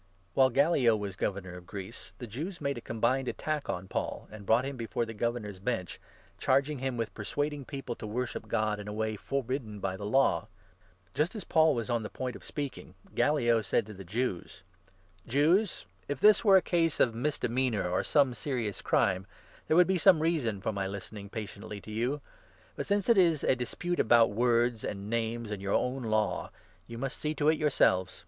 While Gallio was governor of Greece, the Jews made a 12 combined attack on Paul, and brought him before the Gover nor's Bench, charging him with persuading people to worship 13 God in a way forbidden by the Law. Just as Paul was on the 14 point of speaking, Gallio said to the Jews : "Jews, if this were a case of misdemeanour or some serious crime, there would be some reason for my listening patiently to you ; but, since it is a dispute about words, and 15 names, and your own Law, you must see to it yourselves.